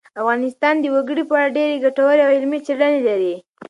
افغانستان د وګړي په اړه ډېرې ګټورې او علمي څېړنې لري.